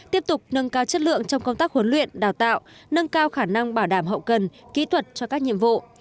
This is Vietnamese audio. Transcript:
tiếp tục nâng cao chất lượng trong công tác huấn luyện đào tạo nâng cao khả năng bảo đảm hậu cần kỹ thuật cho các nhiệm vụ